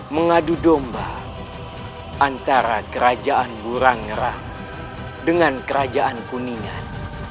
mengadu domba antara kerajaan burang ngerang dengan kerajaan kuningan